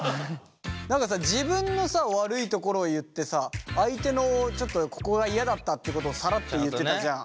何かさ自分の悪いところを言ってさ相手のちょっとここが嫌だったってことをサラッと言ってたじゃん。